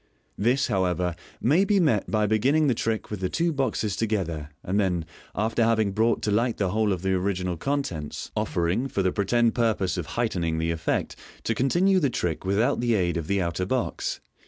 This, however, may be met by beginning the trick with the two boxes together, and then, after having brought to light the whole of the original contents, offering (for the pretended purpose of heightening the effect) to continue the trick without the aid of the outer box.